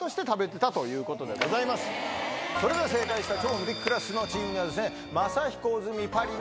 それでは正解した『超無敵クラス』のチームには。